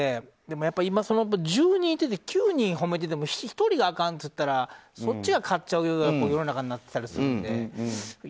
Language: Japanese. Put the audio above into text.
やっぱり１０人いても９人いいって言ってて１人があかんって言ってたらそっちが勝っちゃう世の中になってたりするので。